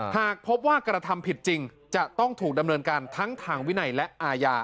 หากพบว่ากระทำผิดจริงจะต้องถูกดำเนินการทั้งทางวินัยและอาญา